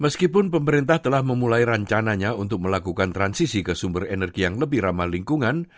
meskipun pemerintah telah memulai rencananya untuk melakukan transisi ke sumber energi yang lebih ramah lingkungan